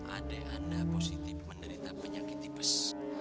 adik anda positif menderita penyakit tipis